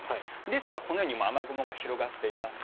ですが、このように雨雲が広がっています。